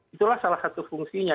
itulah salah satu fungsinya